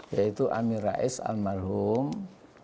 yaitu amir rais mahkum dulu foamah